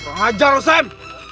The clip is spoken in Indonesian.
nggak hajar sam